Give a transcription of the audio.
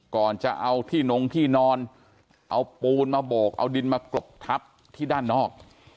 ก่อนจะเอาที่นงที่นอนเอาปูนมาโบกเอาดินมากรบทับที่ด้านนอก